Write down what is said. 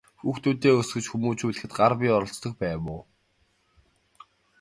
Хүүхдүүдээ өсгөж хүмүүжүүлэхэд гар бие оролцдог байв уу?